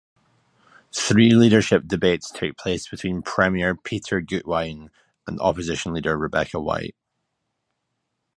Three leadership debates took place between Premier Peter Gutwein and opposition leader Rebecca White.